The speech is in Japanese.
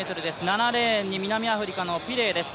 ７レーンに南アフリカのピレイです